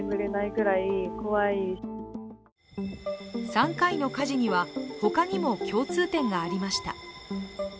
３回の火事には、ほかにも共通点がありました。